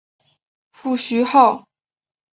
父徐灏。